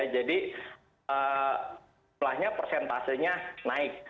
jadi jumlahnya persentasenya naik